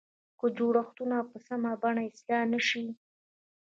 که جوړښتونه په سمه بڼه اصلاح نه شي.